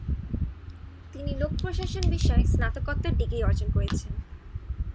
তিনি লোক প্রশাসন বিষয়ে স্নাতকোত্তর ডিগ্রি অর্জন করেছেন।